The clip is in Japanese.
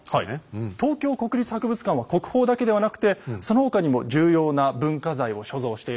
東京国立博物館は国宝だけではなくてその他にも重要な文化財を所蔵しているんですね。